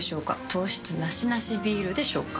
糖質ナシナシビールでしょうか？